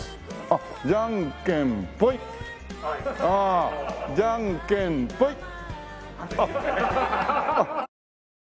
ああじゃんけんぽい！